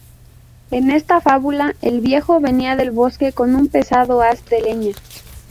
En esta fábula, el viejo venía del bosque con un pesado haz de leña.